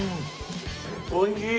おいしい！